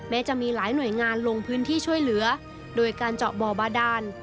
จะมีหลายหน่วยงานลงพื้นที่ช่วยเหลือโดยการเจาะบ่อบาดาน